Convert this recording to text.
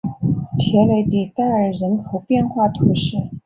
特雷迪代尔人口变化图示